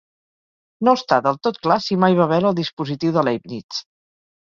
No està del tot clar si mai va veure el dispositiu de Leibniz.